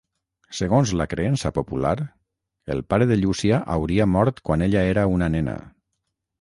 Segons la creença popular, el pare de Llúcia hauria mort quan ella era una nena.